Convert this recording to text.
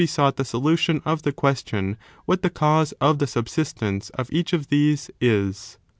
sought the solution of the question what the cause of the subsistence of each of these is.